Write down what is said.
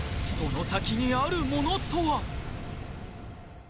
その先にあるものとは？